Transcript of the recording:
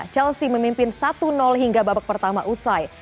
chelsea memimpin satu hingga babak pertama usai